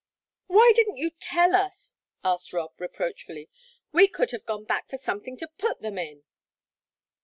"Why didn't you tell us?" asked Rob, reproachfully. "We could have gone back for something to put them in."